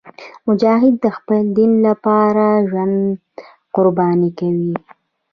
مجاهد د خپل دین لپاره ژوند قرباني کوي.